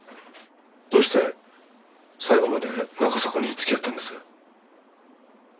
どうして最後まで中迫に付き合ったんです？